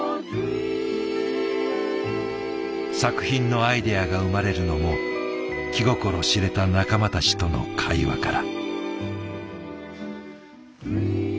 作品のアイデアが生まれるのも気心知れた仲間たちとの会話から。